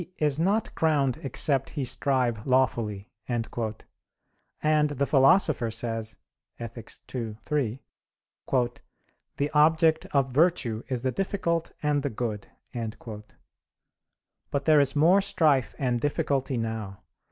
is not crowned except he strive lawfully" and the Philosopher says (Ethic. ii, 3): "The object of virtue is the difficult and the good." But there is more strife and difficulty now.